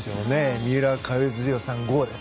三浦知良さん、ゴーです。